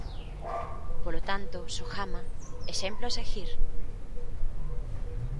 Polo tanto, Sogama, ¿exemplo a seguir?